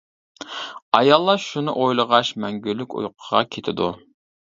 ئاياللار شۇنى ئويلىغاچ مەڭگۈلۈك ئۇيقۇغا كېتىدۇ.